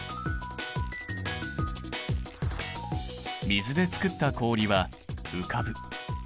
水で作った氷は浮かぶ。